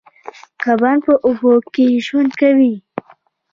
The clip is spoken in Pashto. کبان په اوبو کې ژوند کوي